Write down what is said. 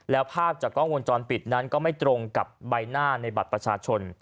แล้วภาพจากกล้องวงจรปิดนั้นก็ไม่ตรงกับใบหน้าในบัตรประชาชน